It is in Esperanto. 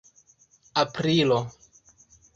aprilo